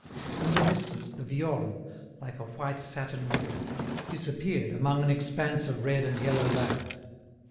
In the distance, the Viorne, like a white satin ribbon, disappeared among an expanse of red and yellow land.